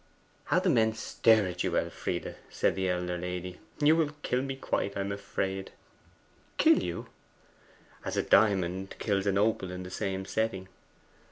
'How the men stare at you, Elfride!' said the elder lady. 'You will kill me quite, I am afraid.' 'Kill you?' 'As a diamond kills an opal in the same setting.